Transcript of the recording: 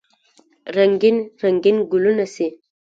رنګین، رنګین ګلونه سي